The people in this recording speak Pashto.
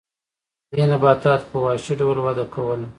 دې نباتاتو په وحشي ډول وده کوله.